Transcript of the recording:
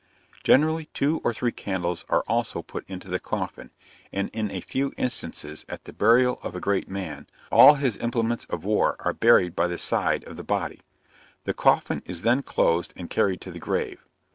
Generally two or three candles are also put into the coffin, and in a few instances, at the burial of a great man, all his implements of war are buried by the side of the body. The coffin is then closed and carried to the grave.